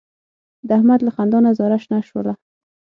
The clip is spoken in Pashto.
د احمد له خندا نه زاره شنه شوله.